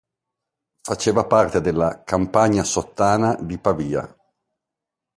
Faceva parte della "Campagna Sottana" di Pavia.